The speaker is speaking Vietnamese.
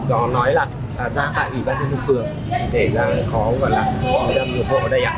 có nói là ra tại ủy ban thân thường phường để có được ủng hộ ở đây ạ